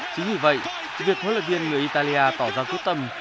chính vì vậy việc hỗ lực viên người italia tỏ ra quyết tâm